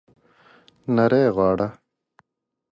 نرۍ غاړه